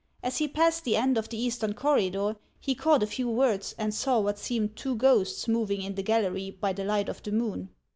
As he passed the end of the eastern corridor, he caught a few words, and saw what seemed two ghosts moving in the gallery by the light of the moon.